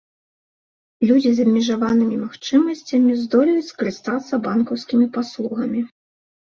Людзі з абмежаванымі магчымасцямі здолеюць скарыстацца банкаўскімі паслугамі.